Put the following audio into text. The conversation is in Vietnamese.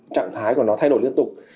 trạng thái của nó thay đổi liên tục